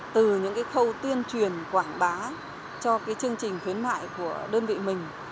từ những cái khâu tuyên truyền quảng bá cho cái chương trình khuyến mại của đơn vị mình